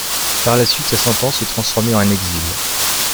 Par la suite, sa sentence fut transformée en un exil.